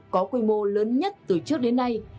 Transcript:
có quy mô lớn nhất từ trước đến nay